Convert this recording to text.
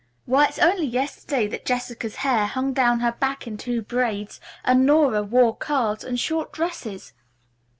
Why it's only yesterday that Jessica's hair hung down her back in two braids, and Nora wore curls and short dresses."